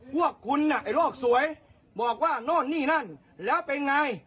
พวกคุณน่ะไอ้โลกสวยบอกว่าโน่นนี่นั่นแล้วเป็นไง